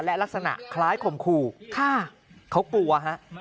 และลักษณะคล้ายข่มขู่เขากลัวฮะ